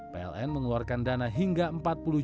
pln mengeluarkan dana hingga menjadikan listrik yang diperlukan